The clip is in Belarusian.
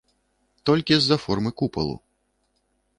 Толькі з-за формы купалу.